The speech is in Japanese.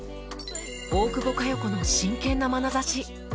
大久保佳代子の真剣なまなざし